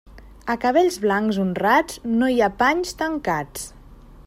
A cabells blancs honrats no hi ha panys tancats.